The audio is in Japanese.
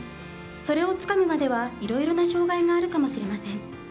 それをつかむまではいろいろな障害があるかもしれません。